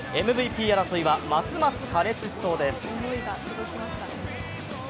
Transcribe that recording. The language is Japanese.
ＭＶＰ争いはますます過熱しそうです。